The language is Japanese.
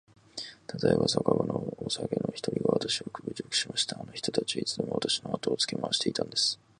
たとえば、酒場のお客の一人がわたしを侮辱しました。あの人たちはいつでもわたしのあとをつけ廻していたんです。